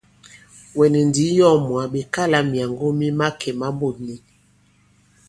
Wɛ̀ nì ǹndǐŋ yɔ̂ŋ mwǎ ɓe kalā myàŋgo mi màkè ma mût nīk.